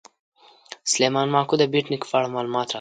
سلیمان ماکو د بېټ نیکه په اړه معلومات راکوي.